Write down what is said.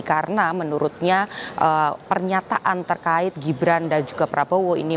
karena menurutnya pernyataan terkait gibran dan juga prabowo ini